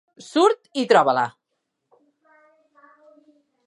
Surt i troba-la!